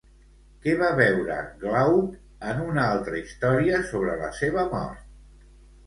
Què va beure Glauc en una altra història sobre la seva mort?